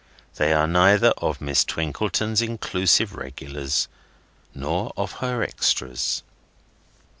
They are neither of Miss Twinkleton's inclusive regulars, nor of her extras.